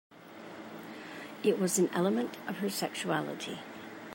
It was an element of her sexuality.